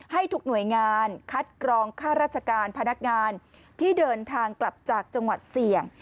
ให้ทุกหน่วยงานคัดกรองค่าราชการพนักงานที่เดินทางกลับจากจังหวัดเสี่ยง